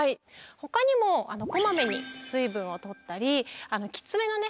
ほかにもこまめに水分をとったりきつめのね